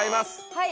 はい。